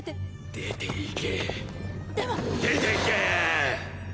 出て行け！